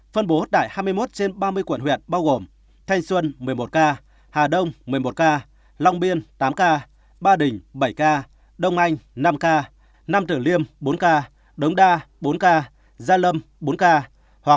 phân bố tại hai mươi một trên ba mươi quận huyện bao gồm thanh xuân một mươi một ca hà đông một mươi một ca long biên tám ca ba đình bảy ca đông anh năm ca nam tử liêm bốn ca đống đa bốn ca gia lâm bốn ca